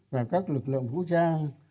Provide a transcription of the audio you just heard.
và các lực lượng vũ trang